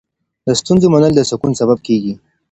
د ستونزو منل د سکون سبب کېږي.